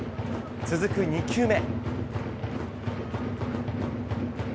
続く２球目。